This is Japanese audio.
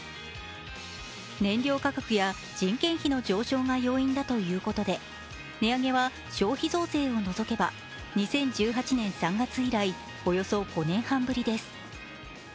燃料価格や人件費の上昇が要因だということで値上げは消費増税を除けば２０１８年３月以来、およそ５年半ぶりです。